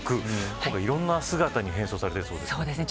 今回いろんな姿に変装されてるそうですね。